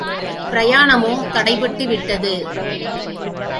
பிரயாணமோ தடைப்பட்டு விட்டது.